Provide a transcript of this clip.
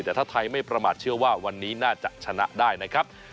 แต่ถ้าไทยไม่ประมาทเชื่อว่าวันนี้น่าจะชนะได้นะครับ